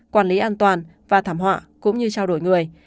quản lý an toàn và thảm họa cũng như trao đổi người